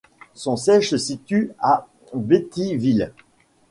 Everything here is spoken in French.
Son siège se situe à Beattyville.